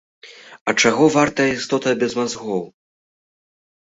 А чаго вартая істота без мазгоў?